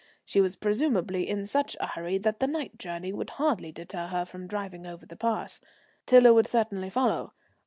She was presumably in such a hurry that the night journey would hardly deter her from driving over the pass. Tiler would certainly follow.